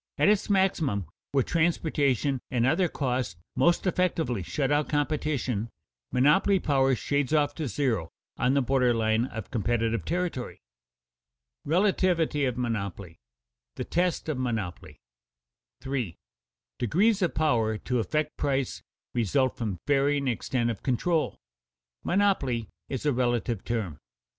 At its maximum where transportation and other costs most effectually shut out competition, monopoly power shades off to zero on the border line of competitive territory. [Sidenote: Relativity of monopoly] [Sidenote: The test of monopoly] 3. _Degrees of power to affect price result from varying extent of control; monopoly is a relative term.